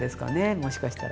もしかしたら。